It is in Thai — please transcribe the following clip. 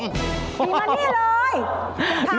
มีมานี่เลย